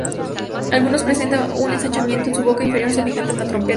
Algunos presentan un ensanchamiento en su boca inferior, semejante a una trompeta.